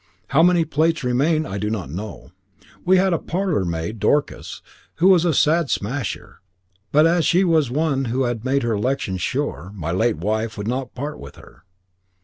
How many plates remain I do not know. We had a parlourmaid, Dorcas, who was a sad smasher, but as she was one who had made her election sure, my late wife would not part with her."